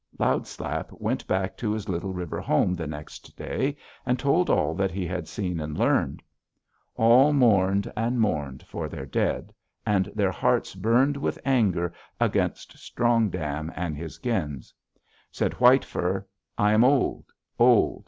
"Loud Slap went back to his Little River home the next day, and told all that he had seen and learned. All mourned and mourned for their dead, and their hearts burned with anger against Strong Dam and his gens. Said White Fur: 'I am old, old.